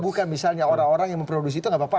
bukan misalnya orang orang yang memproduksi itu gak apa apa